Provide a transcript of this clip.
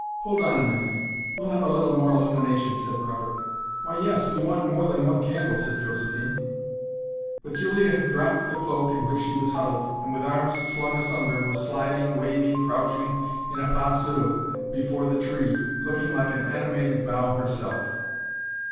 "Hold on a minute. We'll have a little more illumination," said Robert. "Why yes. We want more than one candle," said Josephine. But Julia had dropped the cloak in which she was huddled, and with arms slung asunder was sliding, waving, crouching in a pas seul before the tree, looking like an animated bough herself.